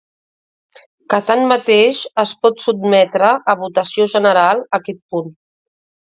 ‐ que, tanmateix, es pot sotmetre a votació general aquest punt.